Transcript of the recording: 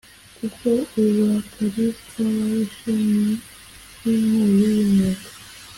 Koko uburakari bw’ababisha ni nk’inkubi y’umuyaga,